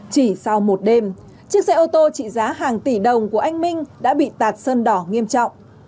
chỉ sau một đêm chiếc xe ô tô trị giá hàng tỷ đồng của anh minh đã bị tạt sơn đỏ nghiêm trọng